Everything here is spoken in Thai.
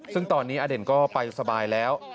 ซึ่งตอนนี้อเด่นก็ไปสบายแล้ว